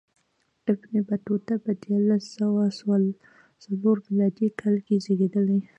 ابن بطوطه په دیارلس سوه څلور میلادي کې زېږېدلی.